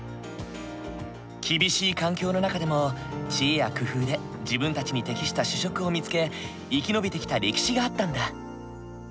厳しい環境の中でも知恵や工夫で自分たちに適した主食を見つけ生き延びてきた歴史があったんだ。